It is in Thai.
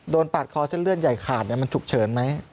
ปาดคอเส้นเลือดใหญ่ขาดมันฉุกเฉินไหม